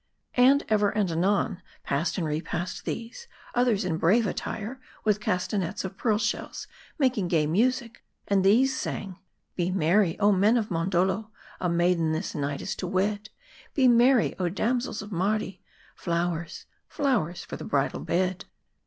And ever and anon, passed and repassed these, others in brave attire ; with castanets of pearl shells, making gay music ; and these sang Be merry, oh men of Mondoldo, A maiden this night is to wed : Be merry, oh damsels of Mardi, Flowers, flowers for the bridal bed.